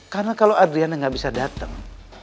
karena kalau adriana gak bisa dateng